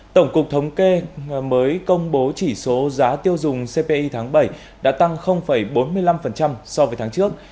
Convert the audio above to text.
tổng cục thống kê mới công bố chỉ số giá tiêu dùng cpi tháng bảy đã tăng bốn mươi năm so với tháng trước